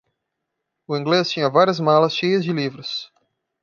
O inglês tinha várias malas cheias de livros.